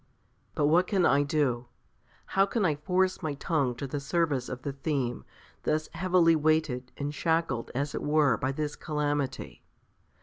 But what can I do? How can I force my tongue to the service of the theme, thus heavily weighted, and shackled, as it were, by this calamity?